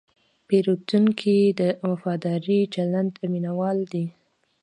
پیرودونکی د وفادار چلند مینهوال دی.